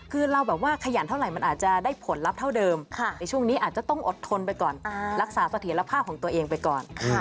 คือเราแบบว่าขยันเท่าไหร่มันอาจจะได้ผลลัพธ์เท่าเดิมในช่วงนี้อาจจะต้องอดทนไปก่อนรักษาเสถียรภาพของตัวเองไปก่อน